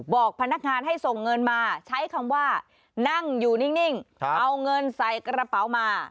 บอกพนักงานให้ส่งเงินมาใช้คำว่านั่งอยู่นิ่งเอาเงินใส่กระเป๋ามา